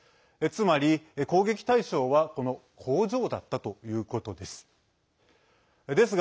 つまり、攻撃対象はこの工場だったということです。